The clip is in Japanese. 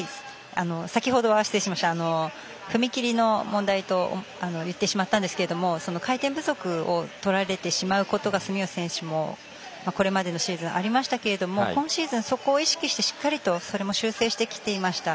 先ほどは踏み切りの問題と言ってしまったんですけれども回転不足をとられてしまうことが住吉選手もこれまでのシーズンありましたけども、今シーズンはしっかりとそれも修正してきていました。